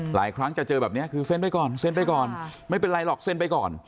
หลายครั้งจะเจอแบบนี้คือเซ็นไว้ก่อนเซ็นไปก่อนไม่เป็นไรหรอกเซ็นไปก่อน